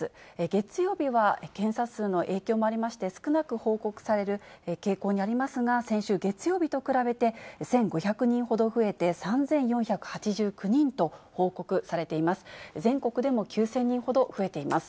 月曜日は検査数の影響もありまして、少なく報告される傾向にありますが、先週月曜日と比べて、１５００人ほど増えて、３４８９人と報告されています。